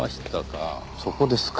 そこですか。